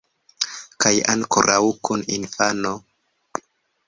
Kaj ankoraŭ kun infano!